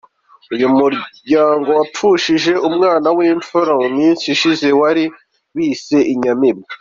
Uyu muryango wapfushije umwana w’imfura mu minsi ishize bari bise Inyamibwa.